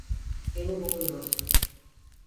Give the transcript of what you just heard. Beni boğuyorsun.